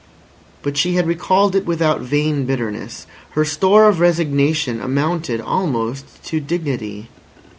But she had recalled it without vain bitterness; her store of resignation amounted almost to dignity.